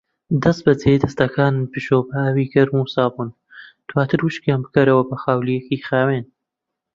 دەستبەجی دەستەکانت بشۆ بە ئاوی گەرم و سابوون، دواتر وشکیان بکەرەوە بە خاولیەکی خاوین.